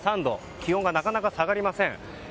気温がなかなか下がりません。